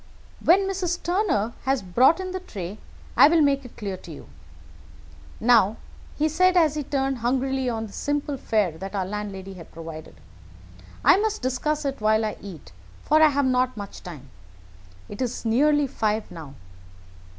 "When Mrs. Turner has brought in the tray I will make it clear to you. Now," he said, as he turned hungrily on the simple fare that our landlady had provided, "I must discuss it while I eat, for I have not much time. It is nearly five now.